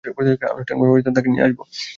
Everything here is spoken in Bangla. আনুষ্ঠানিকভাবে তাকে নিয়ে আসব।